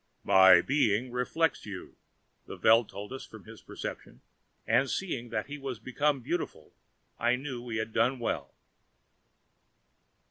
"My being reflects you," the Veld told us from his perception, and seeing that he was become beautiful, I knew we had done well.